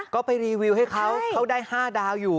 ก็ไปรีวิวให้เขาเขาได้๕ดาวอยู่